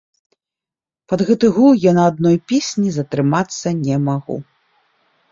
Пад гэты гул я на адной песні затрымацца не магу.